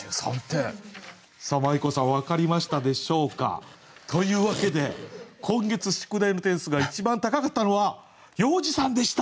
まい子さん分かりましたでしょうか？というわけで今月宿題の点数が一番高かったのは要次さんでした。